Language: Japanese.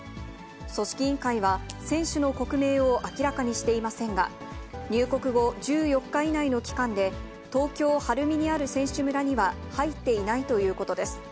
組織委員会は、選手の国名を明らかにしていませんが、入国後１４日以内の期間で、東京・晴海にある選手村には入っていないということです。